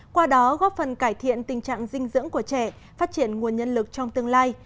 qua đó góp phần cải thiện tình trạng dinh dưỡng của trẻ phát triển nguồn nhân lực trong tương lai